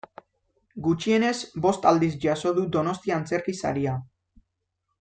Gutxienez bost aldiz jaso du Donostia Antzerki Saria.